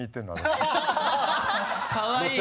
かわいい！